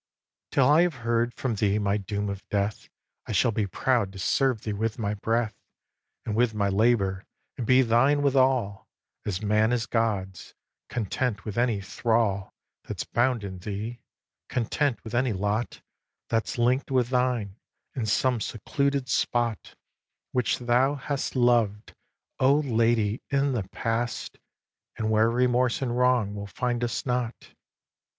ix. Till I have heard from thee my doom of death I shall be proud to serve thee with my breath, And with my labour, and be thine withal As Man is God's, content with any thrall That's bound in thee; content with any lot That's link'd with thine, in some secluded spot Which thou hast lov'd, O Lady! in the past, And where remorse and wrong will find us not.